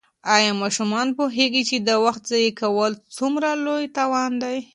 آیا ماشومان پوهېږي چې د وخت ضایع کول څومره لوی تاوان دی؟